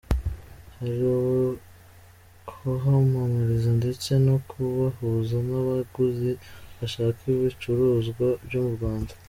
Hari ukubamamariza ndetse no kubahuza n’abaguzi bashaka ibicuruzwa byo mu Rwanda”.